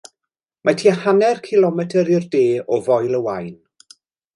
Mae tua hanner cilometr i'r de o Foel y Waun.